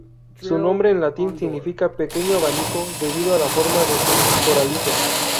Su nombre en latín significa pequeño abanico, debido a la forma de su coralito.